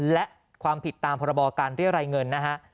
และความผิดตามพรบการเรียรายเงินนะฮะ